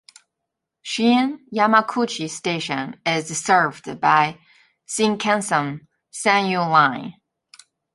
Shin-Yamaguchi Station is served by the Shinkansen Sanyō line.